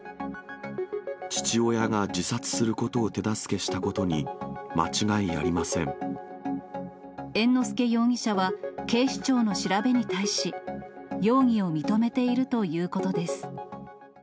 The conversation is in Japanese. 父親が自殺することを手助け猿之助容疑者は、警視庁の調べに対し、容疑を認めているということです。